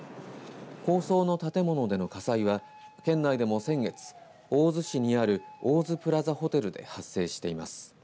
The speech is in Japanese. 高層の建物での火災は県内でも先月、大洲市にあるオオズプラザホテルで発生しています。